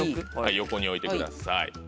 横に置いてください。